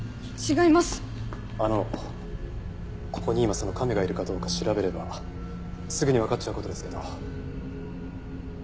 あのここに今その亀がいるかどうか調べればすぐにわかっちゃう事ですけど。